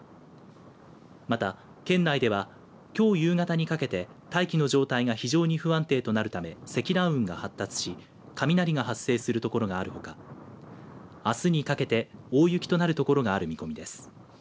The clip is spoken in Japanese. また、県内ではきょう夕方にかけて大気の状態が非常に不安定となるため積乱雲が発達し雷が発生する所があるほかあすにかけて大雪となる所がある見込みです。